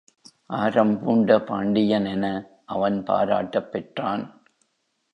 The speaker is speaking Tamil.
ஆரம் பூண்ட பாண்டியன் என அவன் பாராட்டப் பெற்றான்.